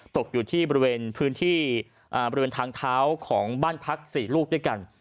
ตกอยู่ที่บริเวณพื้นที่บริเวณทางเท้าของบ้านพัก๔ลูกด้วยกัน